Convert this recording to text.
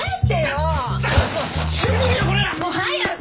もう早く！